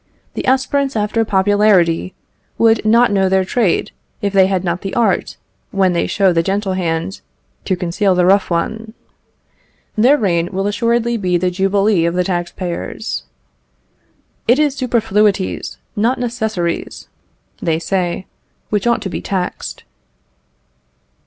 The aspirants after popularity would not know their trade, if they had not the art, when they show the gentle hand, to conceal the rough one. Their reign will assuredly be the jubilee of the tax payers. "It is superfluities, not necessaries," they say "which ought to be taxed."